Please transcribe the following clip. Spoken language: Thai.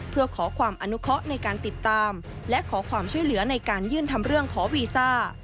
เพื่อขอความอนุเคาะในการติดตามและขอความช่วยเหลือในการยื่นทำเรื่องขอวีซ่า